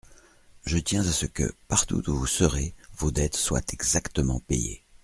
Je tiens à ce que, partout où vous serez, vos dettes soient exactement payées.